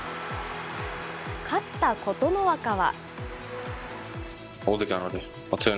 勝った琴ノ若は。